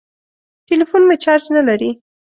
ټليفون مې چارچ نه لري.